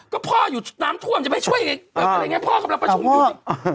ก็พ่ออยู่น้ำท่วมจะไปช่วยไหนพ่อกำลังประชุมอยู่อย่างนี้อะพ่อ